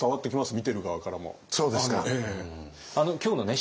見てる側からも。